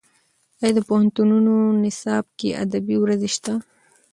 ایا د پوهنتونونو نصاب کې ادبي ورځې شته؟